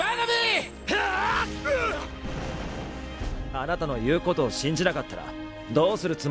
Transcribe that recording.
あなたの言うことを信じなかったらどうするつもりだったんですか。